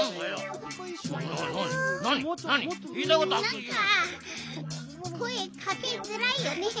なんかこえかけづらいよね。